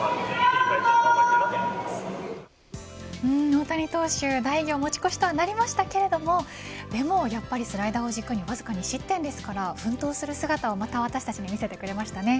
大谷投手、大偉業持ち越しとはなりましたけれどもでもやっぱりスライダーを軸にわずか２失点ですから奮闘する姿をまた私たちに見せてくれましたね。